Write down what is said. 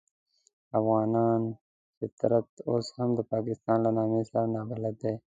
افغان فطرت اوس هم د پاکستان له نامه سره نابلده دی.